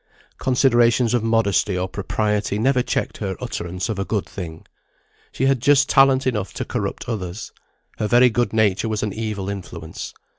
Considerations of modesty or propriety never checked her utterance of a good thing. She had just talent enough to corrupt others. Her very good nature was an evil influence.